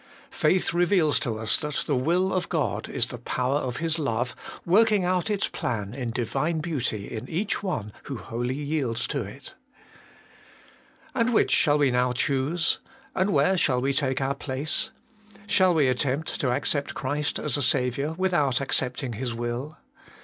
Faith reveals to us that the will of God is the power of His love, working out its plan in Divine beauty in each one who wholly yields to it. And which shall we now choose ? And where shall we take our place ? Shall we attempt to accept Christ as a Saviour without accepting His will